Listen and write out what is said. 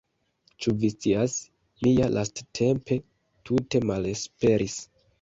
Ĉu vi scias, mi ja lasttempe tute malesperis!